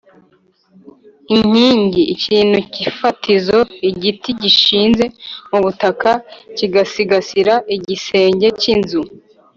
inkingi: ikintu k’ifatizo, igiti gishinze mu butaka kigasigasira igisenge k’inzu